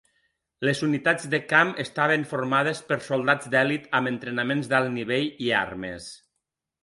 Les unitats de camp estaven formades per soldats d'elit amb entrenament d'alt nivell i armes.